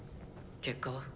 結果は？